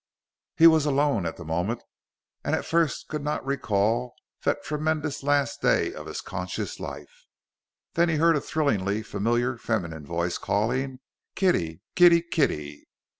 He was alone at the moment, and at first could not recall that tremendous last day of his conscious life. Then he heard a thrillingly familiar feminine voice calling "Kitty, kitty, kitty."